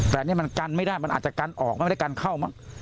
แต่นี่มันกันไม่ได้มันอาจจะกันออกไม่ได้กันเข้ามั้ง